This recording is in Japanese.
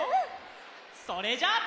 それじゃあ。